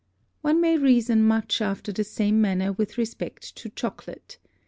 One may reason much after the same manner with respect to Chocolate.